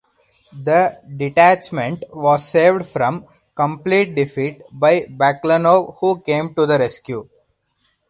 The detachment was saved from complete defeat by Baklanov who came to the rescue.